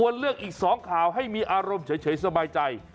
เลือกอีก๒ข่าวให้มีอารมณ์เฉยสบายใจ